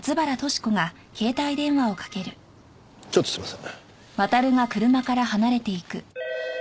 ちょっとすいません。